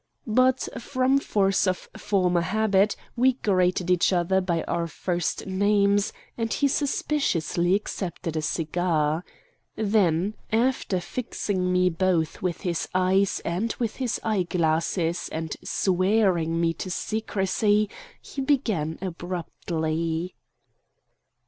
But from force of former habit we greeted each other by our first names, and he suspiciously accepted a cigar. Then, after fixing me both with his eyes and with his eye glasses and swearing me to secrecy, he began abruptly.